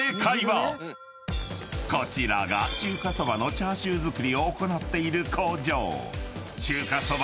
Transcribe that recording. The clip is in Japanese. ［こちらが中華そばのチャーシュー作りを行っている工場］